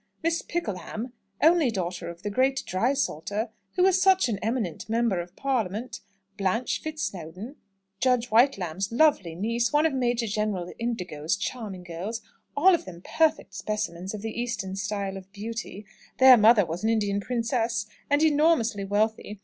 Miss Pickleham, only daughter of the great drysalter, who is such an eminent member of Parliament; Blanche Fitzsnowdon, Judge Whitelamb's lovely niece; one of Major General Indigo's charming girls, all of them perfect specimens of the Eastern style of beauty their mother was an Indian princess, and enormously wealthy.